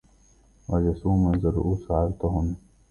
وجسوم إذا الرؤوس علتهن